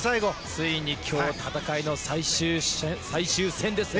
ついに今日戦いの最終戦です。